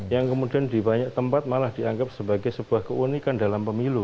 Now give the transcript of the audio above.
yang kemudian di banyak tempat malah dianggap sebagai sebuah keunikan dalam pemilu